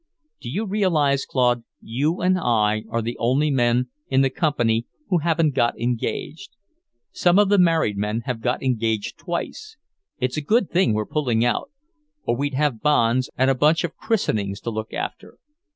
Do you realize, Claude, you and I are the only men in the Company who haven't got engaged? Some of the married men have got engaged twice. It's a good thing we're pulling out, or we'd have banns and a bunch of christenings to look after."